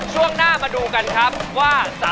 ช่วงหน้ามาดูกันครับว่า